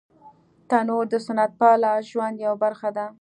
تنور د سنت پاله ژوند یوه برخه ده